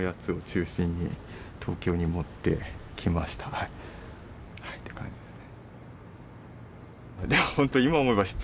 はいって感じですね。